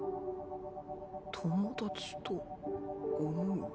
友達と思う？